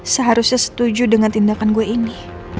seharusnya setuju dengan tindakan gue ini